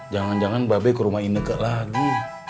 jangan jangan babay ke rumah ini dek lagi